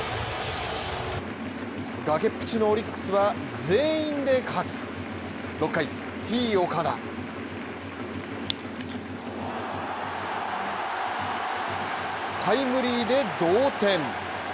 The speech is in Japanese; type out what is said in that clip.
崖っぷちのオリックスは全員で勝つ６回、Ｔ−岡田タイムリーで同点。